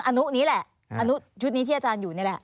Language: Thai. หนุ่นี้แล่ะชุดนี้ที่อาจารย์อยู่นี่แล่ะ